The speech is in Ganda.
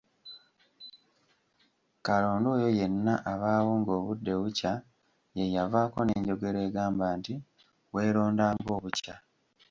Kalonda oyo yenna abaawo ng’obudde bukya yeeyavaako n’enjogera egamba nti, “weeronda ng’obukya!